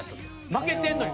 負けてるのに。